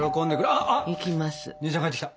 あっ姉ちゃん帰ってきた！